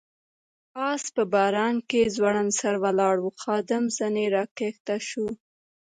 آس په باران کې ځوړند سر ولاړ و، خادم ځنې را کښته شو.